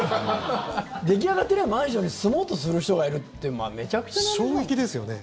出来上がってないマンションに住もうとする人がいるって衝撃ですよね。